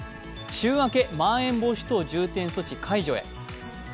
週明けまん延防止等重点措置解除へ。